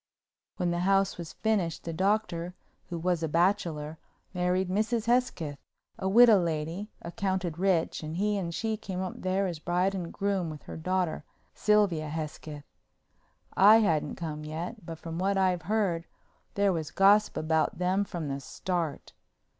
When the house was finished the Doctor, who was a bachelor, married Mrs. Hesketh, a widow lady accounted rich, and he and she came there as bride and groom with her daughter, Sylvia Hesketh. I hadn't come yet, but from what I've heard, there was gossip about them from the start.